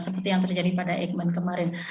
seperti yang terjadi pada eijkman kemarin